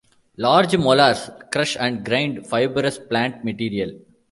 Large molars crush and grind fibrous plant material.